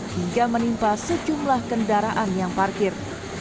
hingga menimpa sejumlah kendaraan yang parkir